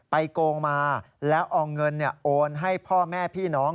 โกงมาแล้วเอาเงินโอนให้พ่อแม่พี่น้อง